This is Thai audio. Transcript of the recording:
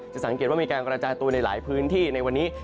สังเกตว่ามีการกระจายตัวในหลายพื้นที่ในวันนี้